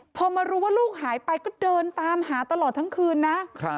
พอมารู้ว่าลูกหายไปก็เดินตามหาตลอดทั้งคืนนะ